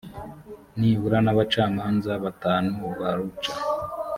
nibura n abacamanza batanu baruca